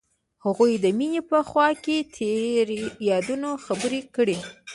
هغوی د مینه په خوا کې تیرو یادونو خبرې کړې.